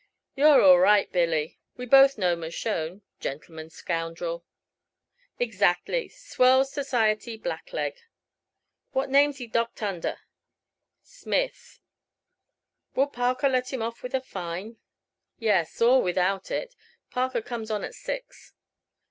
"You're all right, Billy. We both know Mershone. Gentleman scoundrel." "Exactly. Swell society blackleg." "What name's he docked under?" "Smith." "Will Parker let him off with a fine?" "Yes, or without it. Parker comes on at six."